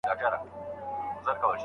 کورني تعاملات به نه بدلیږي.